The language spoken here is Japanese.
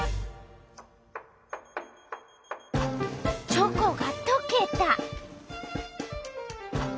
チョコがとけた。